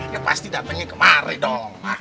ya pasti datangnya kemari dong